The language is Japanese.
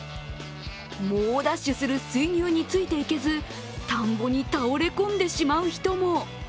猛ダッシュする水牛について行けず田んぼに倒れ込んでしまう人も。